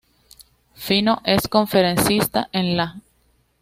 Fino es conferencista en la.